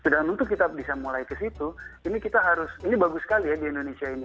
dan untuk kita bisa mulai ke situ ini kita harus ini bagus sekali ya di indonesia ini